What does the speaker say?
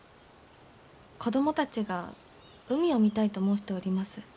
子供たちが海を見たいと申しております。